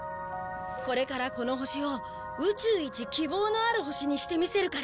これからこの星を宇宙一希望のある星にしてみせるから！